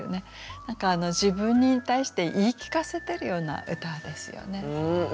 何か自分に対して言い聞かせてるような歌ですよね。